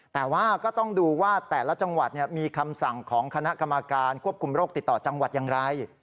แต่ว่าก็ต้องดูว่าแต่ละจังหวัดมีคำสั่งของคณะกรรมการควบคุมโรคติดต่อจังหวัดอย่างไร